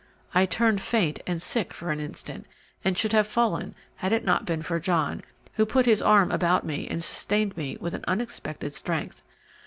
I turned faint and sick for an instant, and should have fallen had it not been for John, who put his arm about me and sustained me with an unexpected strength.